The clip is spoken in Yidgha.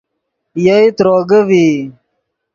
یئے تروگے ڤئی